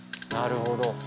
なるほど。